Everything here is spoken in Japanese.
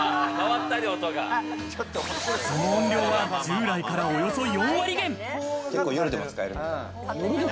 その音量は従来から、およそ４割減。